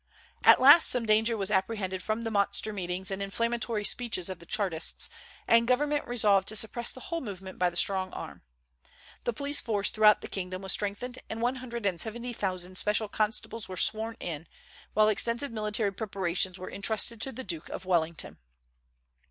At last some danger was apprehended from the monster meetings and inflammatory speeches of the Chartists, and government resolved to suppress the whole movement by the strong arm. The police force throughout the kingdom was strengthened, and one hundred and seventy thousand special constables were sworn in, while extensive military preparations were intrusted to the Duke of Wellington.